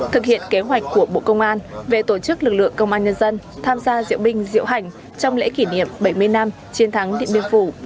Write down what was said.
thực hiện kế hoạch của bộ công an về tổ chức lực lượng công an nhân dân tham gia diễu binh diễu hành trong lễ kỷ niệm bảy mươi năm chiến thắng điện biên phủ